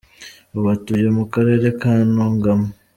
Ubu atuye mu Karere ka Ntungamo.